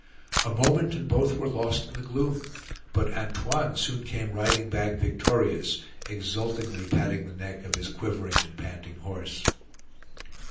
A moment, and both were lost in the gloom; but Antoine soon came riding back victorious, exultingly patting the neck of his quivering and panting horse.